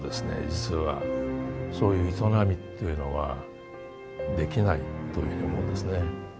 実はそういう営みというのはできないというふうに思うんですね。